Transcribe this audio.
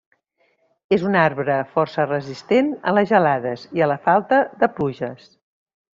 És un arbre força resistent a les gelades i a la falta de pluges.